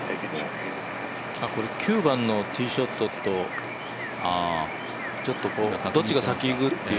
９番のティーショットと、どっちが先に行く？